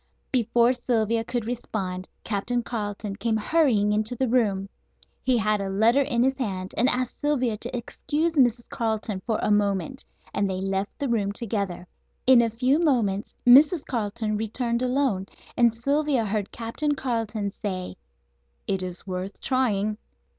Before Sylvia could respond Captain Carleton came hurrying into the room. He had a letter in his hand, and asked Sylvia to excuse Mrs. Carleton for a moment, and they left the room together. In a few moments Mrs. Carleton returned alone, and Sylvia heard Captain Carleton say: "It is worth trying."